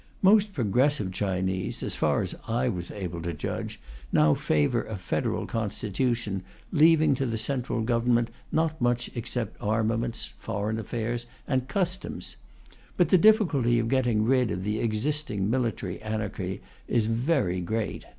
Most progressive Chinese, as far as I was able to judge, now favour a federal constitution, leaving to the Central Government not much except armaments, foreign affairs, and customs. But the difficulty of getting rid of the existing military anarchy is very great.